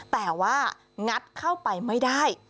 แต่ว่างัดเข้าไปไม่ได้